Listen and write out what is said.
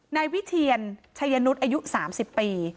นายวิเทียนชัยนุษย์อายุ๓๐ปี